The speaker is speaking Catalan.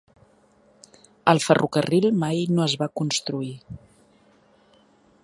El ferrocarril mai no es va construir.